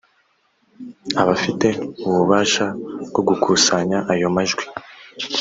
abafite ububasha bwo gukusanya ayo majwi